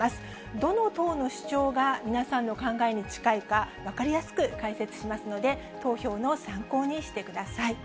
どの党の主張が皆さんの考えに近いか、分かりやすく解説しますので、投票の参考にしてください。